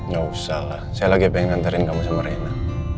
gak usah lah saya lagi pengen ngantarin kamu sama rena